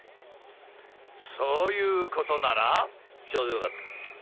そういう事ならちょうどよかった。